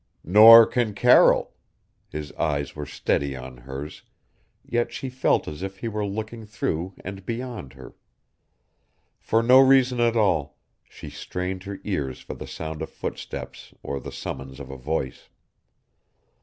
"Nor can Carol." His eyes were steady on hers, yet she felt as if he were looking through and beyond her. For no reason at all, she strained her ears for the sound of footsteps or the summons of a voice.